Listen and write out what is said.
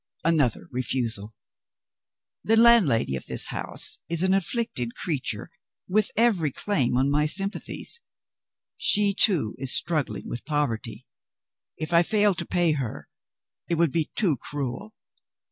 Another refusal! The landlady of this house is an afflicted creature, with every claim on my sympathies; she, too, is struggling with poverty. If I failed to pay her, it would be too cruel.